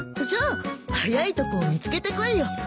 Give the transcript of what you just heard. じゃあ早いとこ見つけてこいよ。